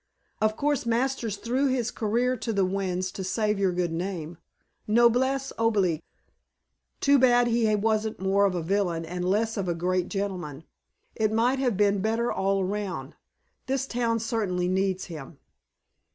Of course Masters threw his career to the winds to save your good name. Noblesse oblige. Too bad he wasn't more of a villain and less of a great gentleman. It, might have been better all round. This town certainly needs him."